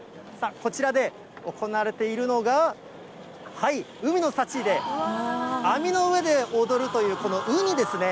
こちらで行われているのが、海の幸で、網の上で踊るという、このウニですね。